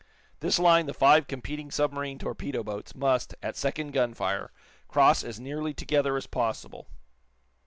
This line the five competing submarine torpedo boats must, at second gunfire, cross as nearly together as possible.